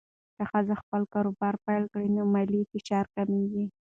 که ښځه خپل کاروبار پیل کړي، نو مالي فشار کمېږي.